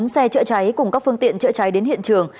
bốn xe chữa cháy cùng các phương tiện chữa cháy đến hiện trường